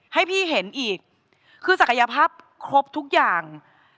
ให้พี่เห็นอีกคือศักยภาพครบทุกอย่าง